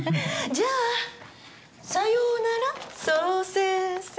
じゃあ、さようなら、想先生。